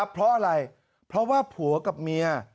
เพราะอะไรเพราะว่าผัวกับเมีย